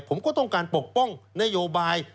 ผมก็ต้องการปกป้องนโยบาย